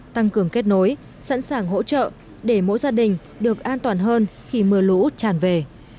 tăng cường kết nối sẵn sàng hỗ trợ để mỗi gia đình được an toàn hơn khi mưa lũ tràn về